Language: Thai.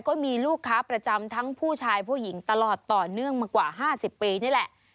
ก็มีลูกค้าประจำทั้งผู้ชายผู้หญิงตลอดต่อเนื่องมากว่า๕๐ปีนี่แหละ